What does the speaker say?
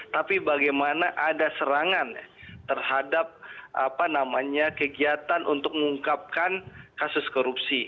tapi bagaimana ada serangan terhadap kegiatan untuk mengungkapkan kasus korupsi